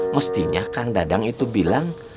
mestinya kang dadang itu bilang